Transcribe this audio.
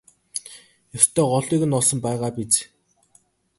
Ёстой голыг нь олсон байгаа биз?